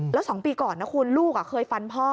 แล้ว๒ปีก่อนนะคุณลูกเคยฟันพ่อ